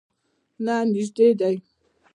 نه، نژدې دی